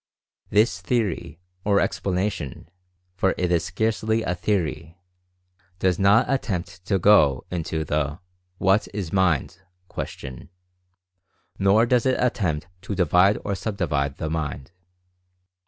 This "theory" — or ex planation, for it is scarcely a "theory" — does not at tempt to go into the "what is mind" question, nor does it attempt to divide or sub divide the mind.